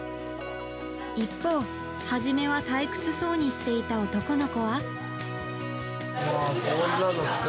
一方、初めは退屈そうにしていた男の子は。